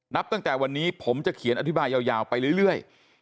นับตั้งแต่วันนี้ผมจะเขียนอธิบายยาวไปเรื่อย